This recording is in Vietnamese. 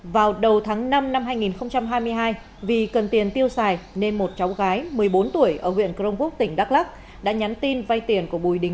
vào đầu tháng năm năm hai nghìn hai mươi hai vì cần tiền tiêu xài nên một cháu gái một mươi bốn tuổi ở huyện crong quốc tỉnh đắk lắc đã nhắn tin vay tiền của bùi đình